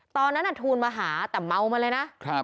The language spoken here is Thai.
ตอนนั้นทูลมาหาแต่เมามาเลยนะ